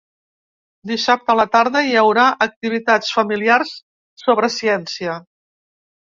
Dissabte a la tarda hi haurà activitats familiars sobre ciència.